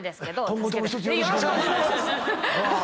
今後ともひとつよろしくお願いします。